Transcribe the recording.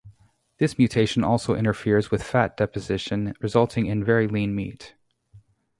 This mutation also interferes with fat deposition, resulting in very lean meat.